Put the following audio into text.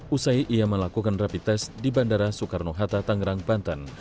usai ia melakukan rapi tes di bandara soekarno hatta tangerang banten